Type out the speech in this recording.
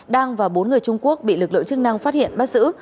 đang và bốn người trung quốc bị lực lượng chức năng phát hiện bắt giữ